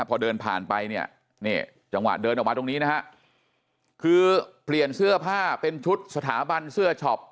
พอเดินผ่านไปเนี่ยนี่จังหวะเดินออกมาตรงนี้นะฮะคือเปลี่ยนเสื้อผ้าเป็นชุดสถาบันเสื้อช็อป